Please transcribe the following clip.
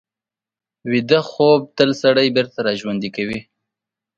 ویده خوب تل سړی بېرته راژوندي کوي